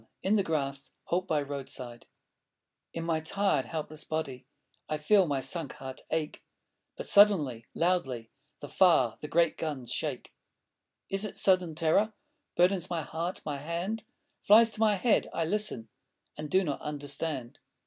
IN THE GRASS: HALT BY ROADSIDE In my tired, helpless body I feel my sunk heart ache; But suddenly, loudly The far, the great guns shake. Is it sudden terror Burdens my heart? My hand Flies to my head. I listen.... And do not understand.